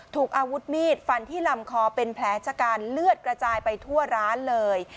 ถูกอาวุธมีดฟันที่ลำคอเป็นแผลชะกันเลือดกระจายไปทั่วร้านเลย